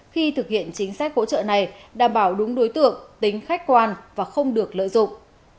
khi thực hiện chính sách hỗ trợ này đảm bảo đúng đối tượng tính khách quan và không được lợi dụng